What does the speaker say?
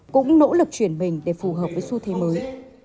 cũng nỗ lực chuyển mình để phù hợp với xu thế mới